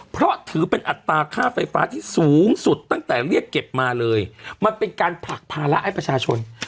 เพราะถือเป็นอัตราค่าไฟฟ้าที่สูงสุดตั้งแต่เรียกเก็บมาเลยมันเป็นการผลักภาระให้ประชาชน